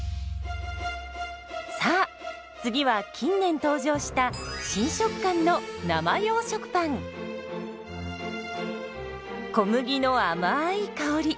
さあ次は近年登場した新食感の小麦のあまい香り。